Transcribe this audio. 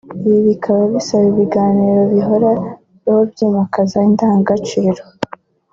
Ibi bikaba bisaba ibiganiro bihora hobyimakaza indangagaciro